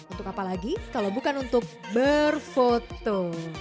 untuk apa lagi kalau bukan untuk berfoto